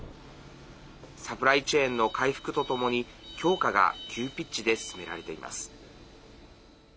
サプライチェーンの回復とともに強化が急ピッチで進められています。